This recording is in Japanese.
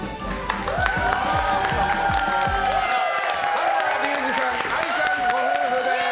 原田龍二さん、愛さんご夫婦です。